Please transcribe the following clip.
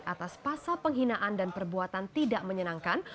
atas pasal penghinaan dan perbuatan tidak menyenangkan